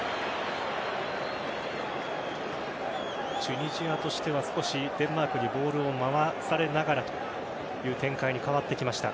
チュニジアとしては少しデンマークにボールを回されながらという展開に変わってきました。